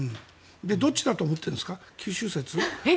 どっちだと思ってるんですか？